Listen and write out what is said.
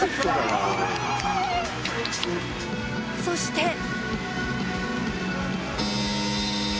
そして。